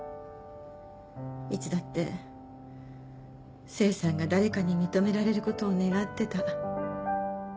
いつだって清さんが誰かに認められることを願ってた。